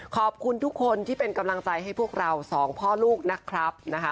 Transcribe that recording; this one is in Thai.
ขอบคุณทุกคนที่เป็นกำลังใจให้พวกเราสองพ่อลูกนะครับ